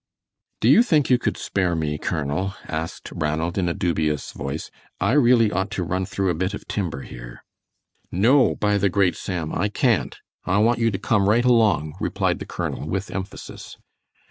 "Do you think you could spare me, Colonel?" asked Ranald, in a dubious voice; "I really ought to run through a bit of timber here." "No, by the great Sam, I can't! I want you to come right along," replied the colonel, with emphasis.